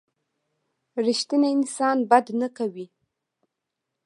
رښتینی انسان بد نه کوي.